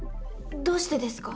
どうしてですか？